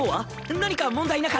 何か問題なかった？